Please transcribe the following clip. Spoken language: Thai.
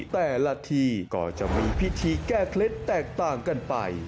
แต่ละทีก็จะมีพิธีแก้เคล็ดแตกต่างกันไป